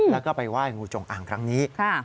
แล้วก็ไปไหว้งูจงอ่างครั้งนี้